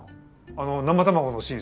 あの生卵のシーン